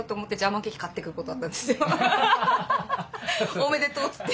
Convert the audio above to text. おめでとうつって。